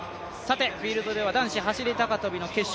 フィールドでは男子走高跳の決勝。